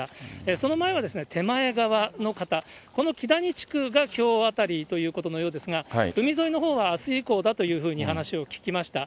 その前は手前側の方、このきだに地区がきょうあたりということのようですが、海沿いのほうはあす以降だというふうに話を聞きました。